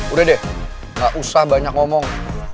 udah deh gak usah banyak ngomong